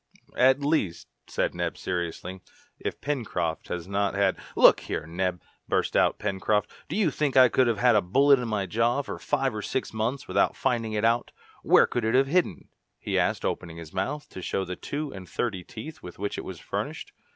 "At least," said Neb seriously, "if Pencroft has not had " "Look here, Neb," burst out Pencroft. "Do you think I could have a bullet in my jaw for five or six months without finding it out? Where could it be hidden?" he asked opening his mouth to show the two and thirty teeth with which it was furnished.